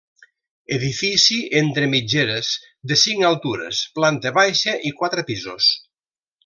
Edifici entre mitgeres de cinc altures, planta baixa i quatre pisos.